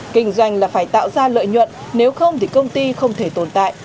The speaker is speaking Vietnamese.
kinh doanh là phải tạo ra lợi nhuận nếu không thì công ty không thể tồn tại